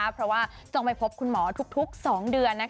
เพราะจองไปพบคุณหมอทุกสองเดือน